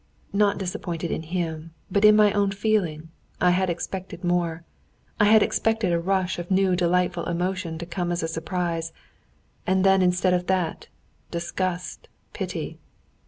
"Not disappointed in him, but in my own feeling; I had expected more. I had expected a rush of new delightful emotion to come as a surprise. And then instead of that—disgust, pity...."